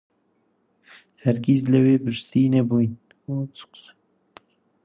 هەرگیز لەوێ برسی نەبووین